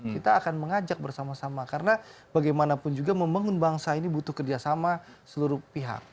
kita akan mengajak bersama sama karena bagaimanapun juga membangun bangsa ini butuh kerjasama seluruh pihak